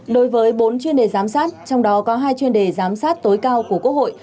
đối với bốn chuyên đề giám sát trong đó có hai chuyên đề giám sát tối cao của quốc hội